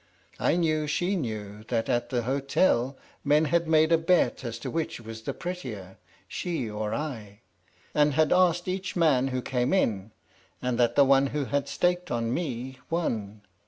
I knew she knew that at the hotel men had made a bet as to which was the prettier, she or I, and had asked each man who came in, and that the one who had staked on me won.